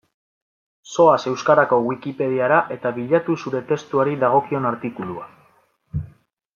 Zoaz euskarazko Wikipediara eta bilatu zure testuari dagokion artikulua.